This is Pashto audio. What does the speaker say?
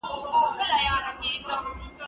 چي پر هره تړه ورسو زموږ برى دئ